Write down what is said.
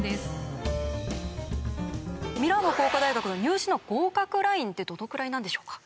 ミラノ工科大学の入試の合格ラインってどのくらいなんでしょうか？